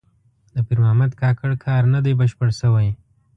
د پیر محمد کاکړ کار نه دی بشپړ شوی.